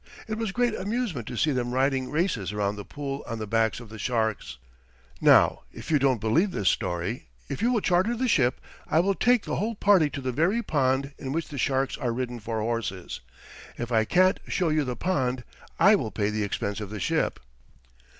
It was great amusement to see them riding races around the pond on the backs of the sharks. "Now, if you don't believe this story, if you will charter the ship I will take the whole party to the very pond in which the sharks are ridden for horses. If I can't show you the pond, I will pay the expense of the ship."